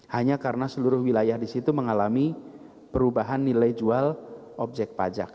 hanya karena seluruh wilayah di situ mengalami perubahan nilai jual objek pajak